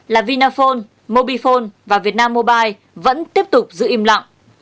là vinaphone mobifone và việt nam mobile vẫn tiếp tục giữ im lặng